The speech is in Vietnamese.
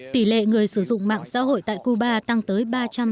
tỷ lệ người sử dụng mạng xã hội tại cuba tăng tới ba trăm sáu mươi tám